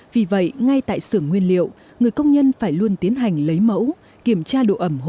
vì vậy ngay tại xưởng nguyên liệu người công nhân phải luôn tiến hành lấy mẫu kiểm tra độ ẩm